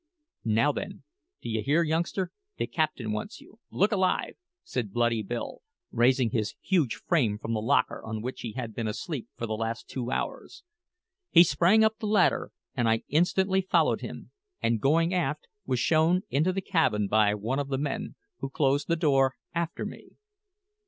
"Now, then, do you hear, youngster? the captain wants you. Look alive!" said Bloody Bill, raising his huge frame from the locker on which he had been asleep for the last two hours. He sprang up the ladder, and I instantly followed him, and going aft, was shown into the cabin by one of the men, who closed the door after me.